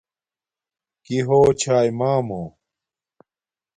کݵ ہݸ چھݳئݵ مݳمݸ؟